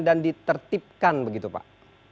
dan ditertipkan begitu pak